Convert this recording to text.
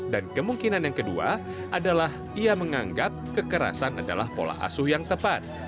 dan kemungkinan yang kedua adalah ia menganggap kekerasan adalah pola asuh yang tepat